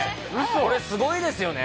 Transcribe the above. これ、すごいですよね。